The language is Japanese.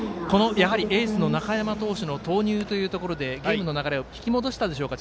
エースの中山投手の投入というところでゲームの流れを引き戻したでしょうか。